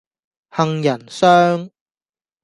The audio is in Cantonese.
杏仁霜